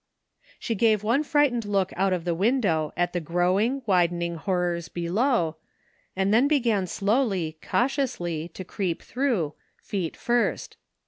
She gave one frightened look out the window 31 THE FINDING OF JASPER HOLT at the growing, widening horrors bdow, and then began slowly, cautiously to creep through, feet first.